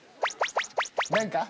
何か？